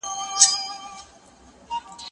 که وخت وي، لوښي وچوم!.